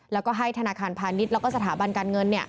แล้วก็ให้ธนาคารพาณิชย์แล้วก็สถาบันการเงิน